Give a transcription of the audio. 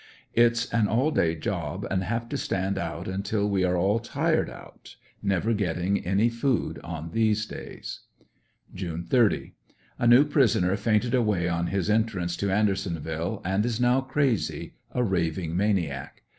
It's an all day job, and have to stand out until we are all tired out, never getting any food on these days. June 30. — A new prisoner fainted away on his entrance to An dersonville and is now crazy, a raving maniac.